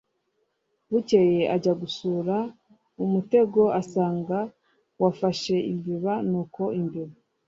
bukeye ajya gusura umutego asanga wafashe imbeba nuko imbeba